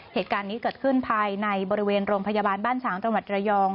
เหตุการณ์นี้เกิดขึ้นภายในบริเวณโรงพยาบาลบ้านฉางจังหวัดระยอง